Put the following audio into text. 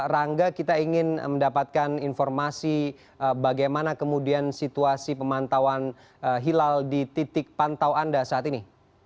rangga kita ingin mendapatkan informasi bagaimana kemudian situasi pemantauan hilal di titik pantau anda saat ini